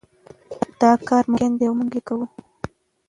دا کار ممکن دی او موږ یې کوو.